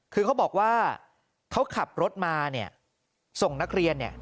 คือเขาบอกว่าเขาขับรถมาเนี่ยส่งนักเรียนเนี่ย